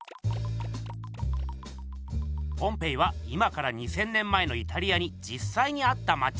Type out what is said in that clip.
ポンペイは今から２，０００年前のイタリアにじっさいにあったまち。